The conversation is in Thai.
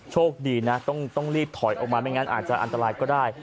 โชคดีนะต้องรีบถอยออกมาไม่งั้นอาจจะอันตรายก็ได้